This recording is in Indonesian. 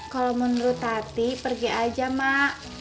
kalau menurut tati pergi aja mak